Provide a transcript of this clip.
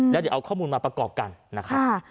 แล้วเดี๋ยวเอาข้อมูลมาประกอบกันนะครับ